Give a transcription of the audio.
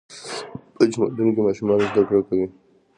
په جوماتونو کې ماشومان زده کړه کوي.